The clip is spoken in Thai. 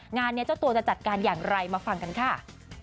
งานนี้เจ้าตัวจะจัดการอย่างไรมาฟังกันค่ะ